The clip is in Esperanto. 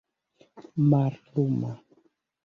malluma